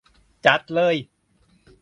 จัดเลย !